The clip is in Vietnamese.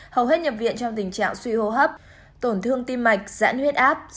hầu hết nhập viện trong tình trạng suy hô hấp tổn thương tim mạch dãn huyết áp